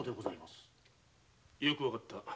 よくわかった。